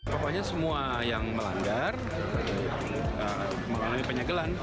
pokoknya semua yang melanggar mengalami penyegelan